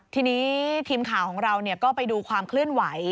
ทีนี้ทีมข่าวของเราก็ไปดูความเคลื่อนไหว